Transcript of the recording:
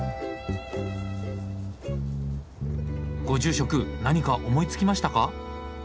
ご住職何か思いつきましたか？